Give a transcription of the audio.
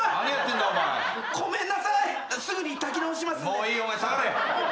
もういいお前下がれ。